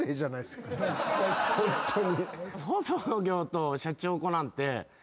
ホントに。